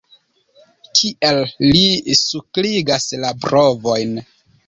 Kiel li sulkigas la brovojn!